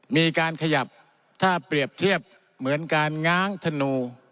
มีการขยับถ้าเปรียบเทียบเหมือนการง้างธนู